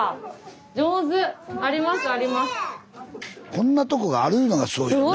こんなとこがあるいうのがすごいよね。